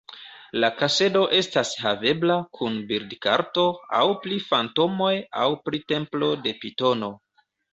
La kasedo estas havebla kun bildkarto aŭ pri fantomoj aŭ pri templo de pitono.